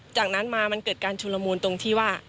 จากนั้นมามันเกิดการชุลมูลตรงที่ว่า